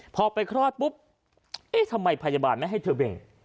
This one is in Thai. พอไปคลอดปุ๊บเอ๊ะทำไมพยาบาลไม่ให้เธอเบ่ง